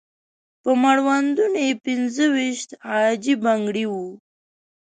په مړوندونو یې پنځه ويشت عاجي بنګړي وو.